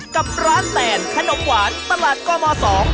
กับร้านแตนขนมหวานตลาดกมสอง